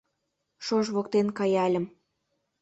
Шож воктен каяльым -